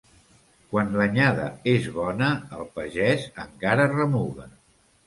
Quan l'anyada és bona el pagès encara remuga.